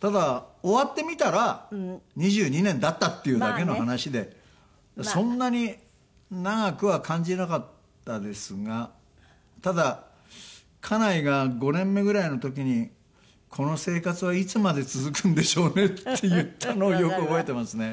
ただ終わってみたら２２年だったっていうだけの話でそんなに長くは感じなかったですがただ家内が５年目ぐらいの時に「この生活はいつまで続くんでしょうね」って言ったのをよく覚えてますね。